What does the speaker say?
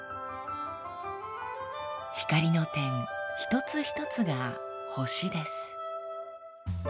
光の点一つ一つが星です。